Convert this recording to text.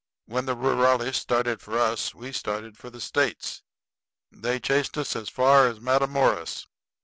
When the rurales started for us we started for the States. They chased us as far as Matamoras.